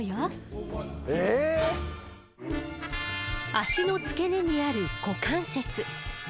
脚の付け根にある股関節。